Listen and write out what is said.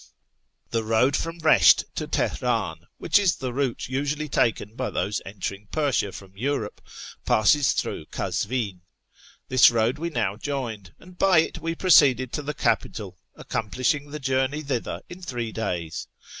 The road from Eesht to Teheran, which is the route usually taken by those entering Persia from Europe, passes through KazWu. This road we now joined, and by it we proceeded to the capital, accomplishing the journey thither in three days.